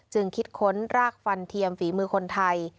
คิดค้นรากฟันเทียมฝีมือคนไทย